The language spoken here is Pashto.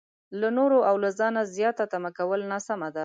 له نورو او له ځانه زياته تمه کول ناسمه ده.